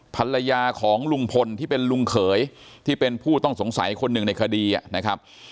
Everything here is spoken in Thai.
ภรรยาของลุงพลที่เป็นลุงเขยที่เป็นผู้ต้องสงสัยคนหนึ่งในคดีนะครับ